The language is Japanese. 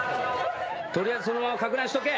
取りあえずそのままかく乱しとけ。